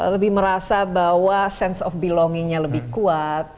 lebih merasa bahwa sense of belongingnya lebih kuat